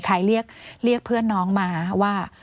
ใครเรียกเพื่อนน้องมาว่า